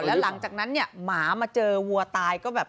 แล้วหลังจากนั้นเนี่ยหมามาเจอวัวตายก็แบบ